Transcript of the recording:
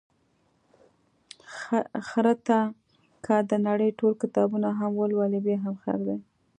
خره ته که د نړۍ ټول کتابونه هم ولولې، بیا هم خر دی.